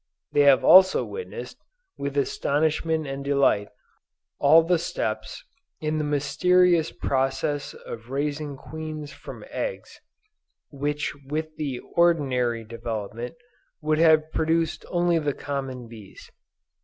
They have also witnessed, with astonishment and delight, all the steps in the mysterious process of raising queens from eggs which with the ordinary development, would have produced only the common bees.